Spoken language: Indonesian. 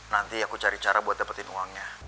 nanti aku cari cara buat dapetin uangnya